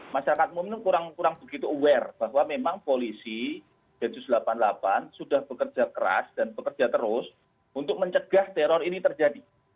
masyarakat umum ini kurang begitu aware bahwa memang polisi densus delapan puluh delapan sudah bekerja keras dan bekerja terus untuk mencegah teror ini terjadi